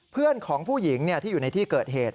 เพื่อนของผู้หญิงที่อยู่ในที่เกิดเหตุ